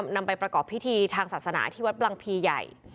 นำไปประกอบพิธีทางศาสนาที่วัดบังพีใหญ่